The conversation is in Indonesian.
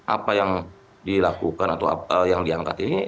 apa yang dilakukan atau yang diangkat ini